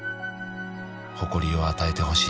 「誇りを与えてほしい」